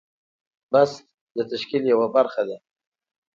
بست د تشکیل یوه برخه ده.